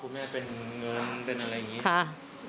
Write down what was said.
แม่เป็นเงินเป็นอะไรอย่างนี้